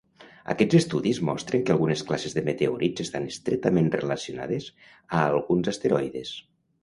Aquests estudis mostren que algunes classes de meteorits estan estretament relacionades a alguns asteroides.